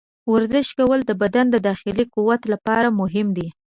ورزش کول د بدن د داخلي قوت لپاره مهم دي.